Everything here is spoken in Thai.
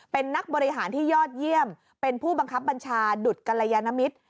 เป็นนักบริหารที่ยอดเยี่ยมเป็นผู้บังคับบัญชาดุดกรยานมิตร